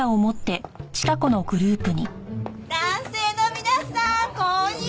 男性の皆さんこんにちは！